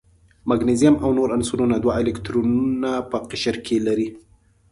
مګنیزیم او نور عنصرونه دوه الکترونه په قشر کې لري.